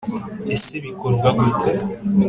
Ese Bikorwa gute